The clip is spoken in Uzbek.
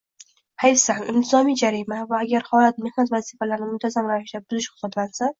xayfsan, intizomiy jarima va agar holat mehnat vazifalarni muntazam ravishda buzish hisoblansa